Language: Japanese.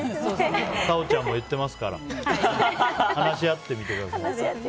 太鳳ちゃんも言ってますから話し合ってみてください。